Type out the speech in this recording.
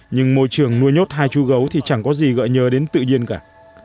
nhưng môi trường nuôi nhốt hai chú gấu thì chẳng có gì gợi nhớ đến tự nhiên cả